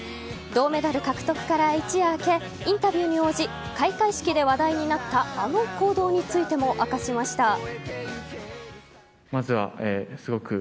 銅メダル獲得から一夜明けインタビューに応じ開会式で話題になったあの行動についても明かしました。